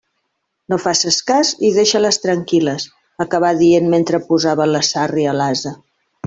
«No faces cas i deixa-les tranquil·les», acabà dient mentre posava la sàrria a l'ase.